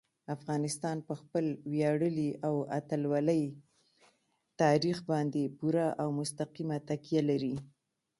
افغانستان په خپل ویاړلي او اتلولۍ تاریخ باندې پوره او مستقیمه تکیه لري.